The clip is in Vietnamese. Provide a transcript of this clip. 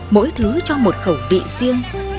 mỗi thứ cho một khẩu vị riêng